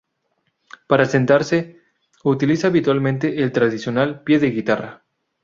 Para sentarse utiliza habitualmente el tradicional "pie de guitarra".